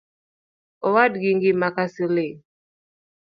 Owadgi ngima ka siling